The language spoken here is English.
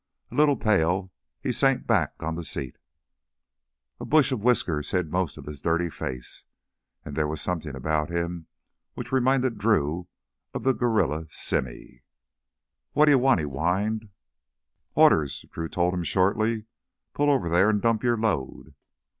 A little pale, he sank back on the seat. A bush of whiskers hid most of his dirty face, and there was something about him which reminded Drew of the guerrilla Simmy. "Watta yuh want?" he whined. "Orders," Drew told him shortly. "Pull over there and dump your load!"